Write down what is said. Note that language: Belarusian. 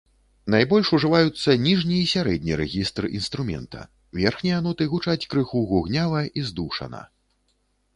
Найбольш ужываюцца ніжні і сярэдні рэгістр інструмента, верхнія ноты гучаць крыху гугнява і здушана.